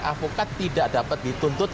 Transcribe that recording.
avokat tidak dapat dituntut